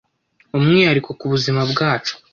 umwihariko ku buzima bwacu